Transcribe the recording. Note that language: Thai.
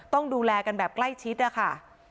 ต้องดูแลกันแบบใกล้ชิดนะคะ